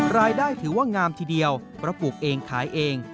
รายได้ถือว่างามทีเดียวเพราะปลูกเองขายเอง